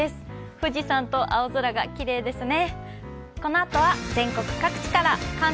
富士山と青空がきれいですね。